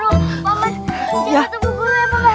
coba tepuk gulung ya paman